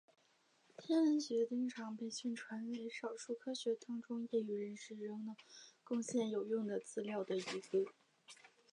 天文学经常被宣传为少数科学当中业余人士仍能贡献有用的资料的一个。